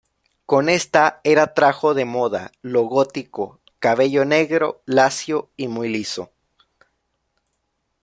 Con esta era trajo de moda lo gótico, cabello negro, lacio y muy liso.